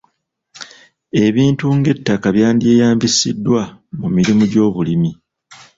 Ebintu ng'ettaka byandyeyambisiddwa mu mirimu gy'obulimi.